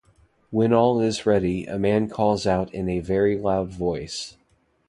When all is ready, a man calls out in a very loud voice.